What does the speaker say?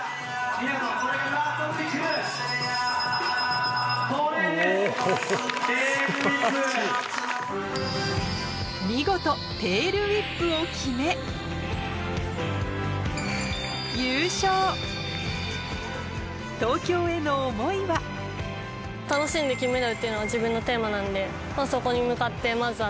テールウィップ・見事テールウィップを決め「東京」への思いはっていうのが自分のテーマなんでそこに向かってまずは。